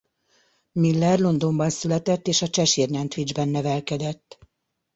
Miller Londonban született és a Cheshire-i Nantwich-ban nevelkedett.